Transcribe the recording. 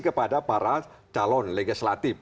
kepada para calon legislatif